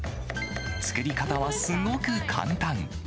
作り方は、すごく簡単。